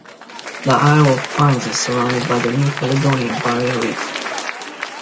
The Isle of Pines is surrounded by the New Caledonia Barrier Reef.